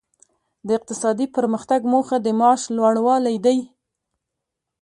د اقتصادي پرمختګ موخه د معاش لوړوالی دی.